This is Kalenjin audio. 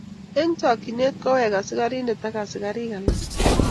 Eng chokchinet kowek askarindet ak asakarik alak